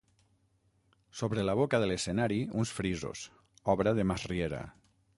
Sobre la boca de l'escenari uns frisos, obra de Masriera.